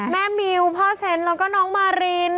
มิวพ่อเซ็นแล้วก็น้องมาริน